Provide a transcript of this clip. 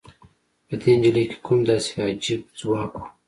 په دې نجلۍ کې کوم داسې عجيب ځواک و؟